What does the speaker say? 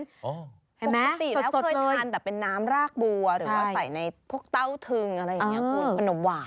อ๋อปกติแล้วเคยทานแต่เป็นน้ำรากบัวหรือว่าใส่ในพวกเต้าถึงอะไรอย่างเงี้ย